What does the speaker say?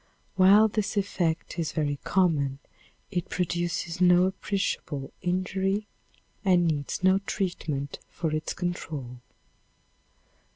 While this effect is very common, it produces no appreciable injury and needs no treatment for its control.